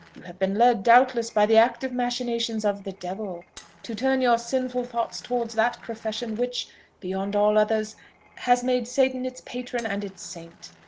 You have been led, doubtless by the active machinations of the devil, to turn your sinful thoughts towards that profession which, beyond all others, has made Satan its patron and its saint.